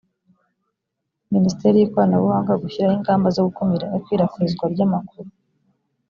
minisiteri y ikoranabuhanga gushyiraho ingamba zo gukumira ikwirakwizwa ry amakuru